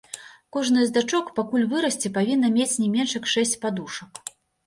Кожная з дачок, пакуль вырасце, павінна мець не менш як шэсць падушак.